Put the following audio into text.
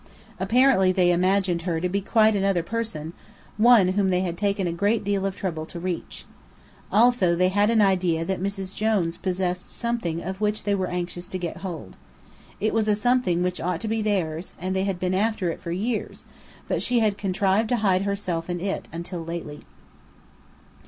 Apparently they imagined her to be quite another person, one whom they had taken a great deal of trouble to reach. Also they had an idea that Mrs. Jones possessed something of which they were anxious to get hold. It was a thing which ought to be theirs, and they had been after it for years; but she had contrived to hide herself and it, until lately.